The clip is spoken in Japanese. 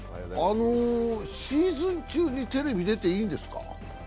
シーズン中にテレビ出ていいんですか？